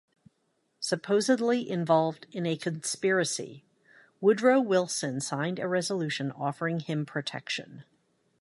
Supposedly involved in a conspiracy, Woodrow Wilson signed a resolution offering him protection.